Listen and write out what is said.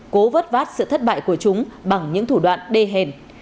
cố vất vát sự thất bại của chúng bằng những thủ đoạn đê hèn